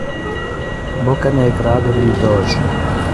- Boccanegra redevenu doge.